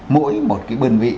mỗi một cái bơn vị